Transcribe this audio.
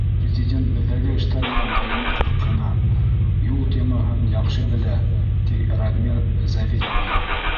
— Президент беҙҙәге эштәр менән даими ҡыҙыҡһына, юл темаһын яҡшы белә, — тине Радмир Зәвил улы.